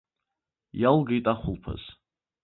Иалгеит ахәылԥаз.